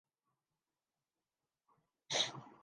تازہ ہوا کا جھونکا ثابت ہوا